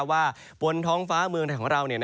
ว่าบนท้องฟ้าเมืองของเรา